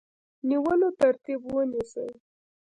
نیولو ترتیب ونیسي.